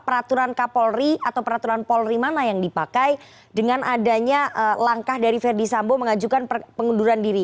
peraturan kapolri atau peraturan polri mana yang dipakai dengan adanya langkah dari verdi sambo mengajukan pengunduran diri